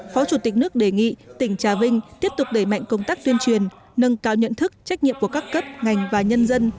phó chủ tịch nước đề nghị tỉnh trà vinh tiếp tục đẩy mạnh công tác tuyên truyền nâng cao nhận thức trách nhiệm của các cấp ngành và nhân dân